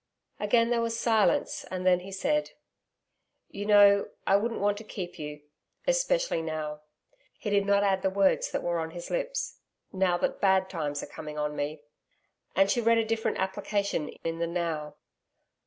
Again there was silence, and then he said: 'You know I wouldn't want to keep you especially now,' he did not add the words that were on his lips 'now that bad times are coming on me,' and she read a different application in the 'now.'